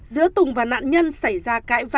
giữa tùng và nạn nhân xảy ra cãi vã